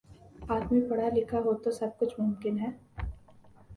آدمی پڑھا لکھا ہو تو سب کچھ ممکن ہے